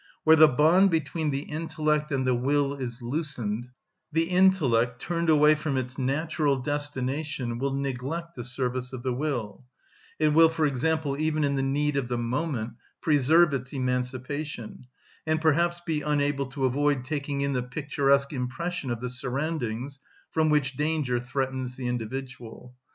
Where the bond between the intellect and the will is loosened, the intellect, turned away from its natural destination, will neglect the service of the will; it will, for example, even in the need of the moment, preserve its emancipation, and perhaps be unable to avoid taking in the picturesque impression of the surroundings, from which danger threatens the individual.